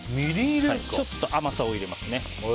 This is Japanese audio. ちょっと甘さを入れますね。